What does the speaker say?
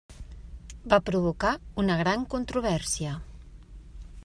Va provocar una gran controvèrsia.